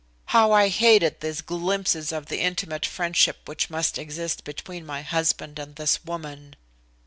How I hated these glimpses of the intimate friendship which must exist between my husband and this woman!